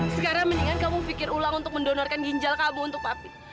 sekarang mendingan kamu pikir ulang untuk mendonorkan ginjal kamu untuk papi